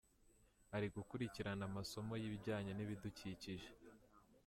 Ari gukurikirana amasomo y' ibijyanye n' ibidukikije